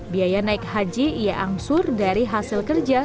biaya naik haji ia angsur dari hasil kerja